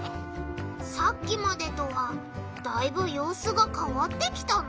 さっきまでとはだいぶようすがかわってきたな。